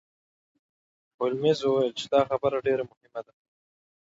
هولمز وویل چې دا خبره ډیره مهمه ده.